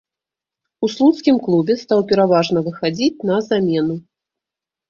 У слуцкім клубе стаў пераважна выхадзіць на замену.